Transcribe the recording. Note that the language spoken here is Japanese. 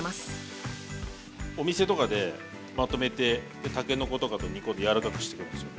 お店とかでまとめてたけのことかと煮込んで柔らかくしてくるんですよ。